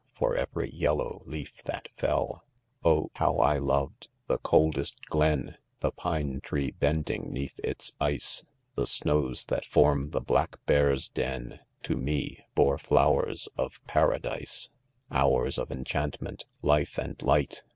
For every yellow ieaf that fell. Oh, how 1 loved !— the coldest "glen, The pine tree bending Watti its ice, The snows that form the black bear's dm s To me, bore flowers of paradise. Hoars of enchantment, life and light.